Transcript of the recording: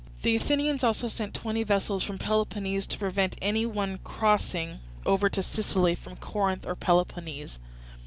The Athenians also sent twenty vessels round Peloponnese to prevent any one crossing over to Sicily from Corinth or Peloponnese.